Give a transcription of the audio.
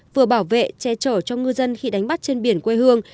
vừa bảo vệ che chở cho ngư dân khi đánh bắt trên biển quê hương